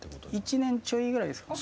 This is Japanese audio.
１年ちょいぐらいですかね。